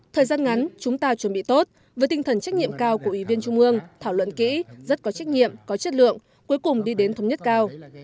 thời gian ngắn chúng ta chuẩn bị tốt với tinh thần trách nhiệm cao của ủy viên trung ương thảo luận kỹ rất có trách nhiệm có chất lượng cuối cùng đi đến thống nhất cao